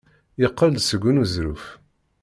Yeqqel-d seg uneẓruf.